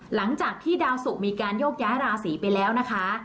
หลังจากที่ดาวสุกมีการโยกย้ายราศีไปแล้วนะคะ